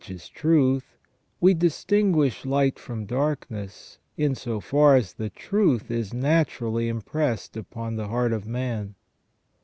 131 is truth, we distinguish light from darkness in so far as the truth is naturally impressed upon the heart of man".